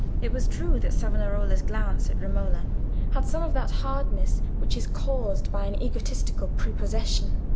It was true that Savonarola's glance at Romola had some of that hardness which is caused by an egotistic prepossession.